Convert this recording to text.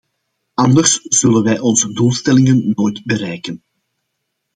Anders zullen wij onze doelstellingen nooit bereiken.